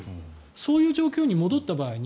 そういう状況に戻った時に